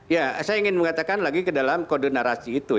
ya saya ingin mengatakan lagi ke dalam kode narasi itu